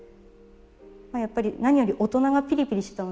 まあやっぱり何より大人がピリピリしていたので。